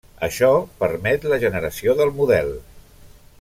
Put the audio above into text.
Això permet la generació del model.